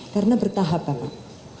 karena bertahap bapak